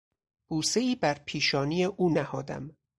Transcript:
بوسهای بر پیشانی او نهادم.